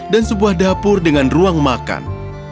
dan sebuah dapur dengan ruang makan